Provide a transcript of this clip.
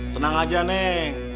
senang aja neng